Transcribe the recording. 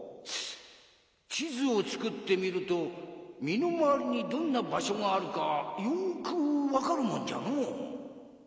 地図を作ってみると身の回りにどんな場所があるかよく分かるもんじゃのう。